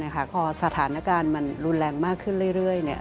พอสถานการณ์มันรุนแรงมากขึ้นเรื่อย